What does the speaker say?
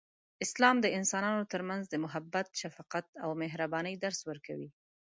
اسلام د انسانانو ترمنځ د محبت، شفقت، او مهربانۍ درس ورکوي.